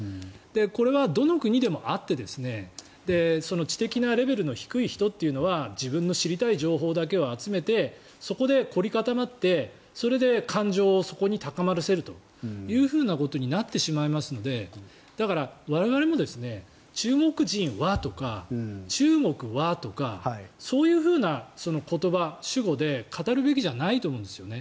これはどの国でもあって知的なレベルの低い人というのは自分の知りたい情報だけを集めてそこで凝り固まってそれで感情をそこに高まらせるということになってしまいますのでだから我々も、中国人はとか中国はとかそういうふうな言葉、主語で語るべきじゃないと思うんですね。